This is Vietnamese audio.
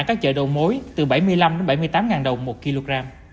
ở các chợ đầu mối từ bảy mươi năm đồng đến bảy mươi tám đồng một kg